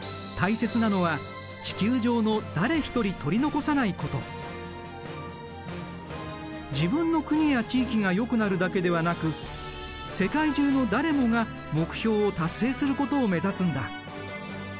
大切なのは自分の国や地域がよくなるだけではなく世界中の誰もが目標を達成することを目指すんだ。